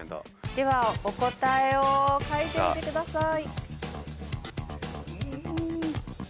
ではお答えを書いてみてください。